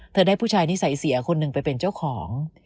ได้ผู้ชายนิสัยเสียคนหนึ่งไปเป็นเจ้าของ